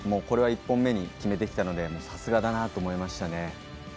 これは１本目に決めてきたのでさすがだなと思いました。